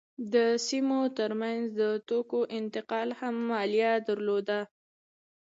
د سیمو ترمنځ د توکو انتقال هم مالیه درلوده.